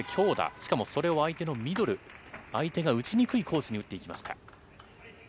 しかもそれを相手のミドル、相手が打ちにくいコースに打っていきました。